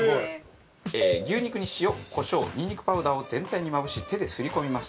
牛肉に塩コショウにんにくパウダーを全体にまぶし手ですり込みます。